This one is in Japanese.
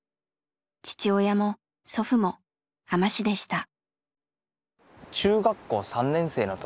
父親も祖父も海士でした。